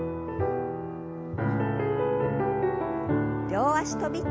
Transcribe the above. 両脚跳び。